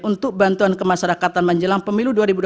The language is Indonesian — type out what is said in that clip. untuk bantuan kemasyarakatan menjelang pemilu dua ribu dua puluh